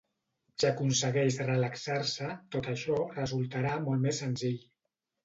Si aconsegueix relaxar-se tot això resultarà molt més senzill.